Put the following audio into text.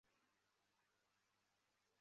当地百姓占领市政府大楼。